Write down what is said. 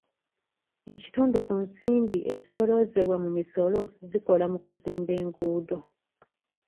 Ekitundu ku nsimbi ezisooloozebwa mu misolo zikola mu kuzimba enguudo.